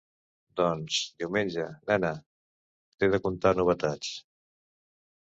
Doncs, diumenge, nena; t'he de contar novetats...